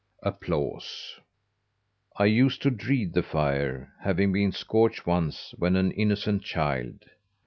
"I used to DREAD the fire, having been scorched once when an innocent child.